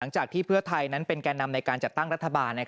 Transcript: หลังจากที่เพื่อไทยนั้นเป็นแก่นำในการจัดตั้งรัฐบาล